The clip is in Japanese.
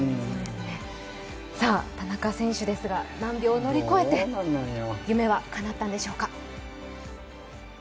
田中選手ですが、難病を乗り越えて夢はかなったんでしょうか？